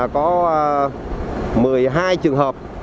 có một mươi hai trường hợp